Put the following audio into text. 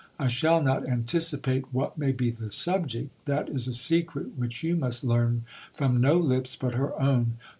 I shall not anticipate what may be the subject, that is a secret which you must learn from no lips but her own.